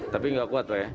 tapi nggak kuat pak ya